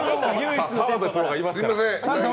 澤部プロがいますから。